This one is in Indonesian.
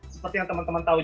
seperti yang teman teman tahu